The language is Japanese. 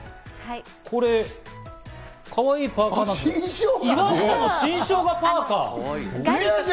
これ、かわいいパーカなんですが、岩下の新生姜パーカ。